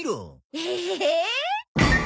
ええ？